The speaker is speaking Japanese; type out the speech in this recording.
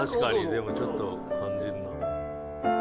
でもちょっと感じるな。